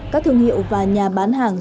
các thương hiệu và nhà bán hàng